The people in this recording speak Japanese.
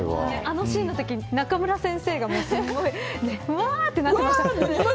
あのシーンのとき、中村先生がうわーってなってました。